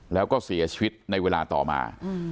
แล้วก็เสียชีวิตในเวลาต่อมา